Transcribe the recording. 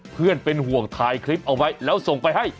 เพื่อนเป็นห่วงถ่ายคลิปเอาไว้แล้วส่งไปให้